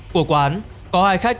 của quán có hai khách